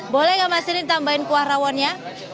boleh gak mas ini ditambahin kuah rawonnya